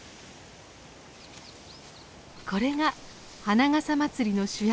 これが「花笠まつり」の主役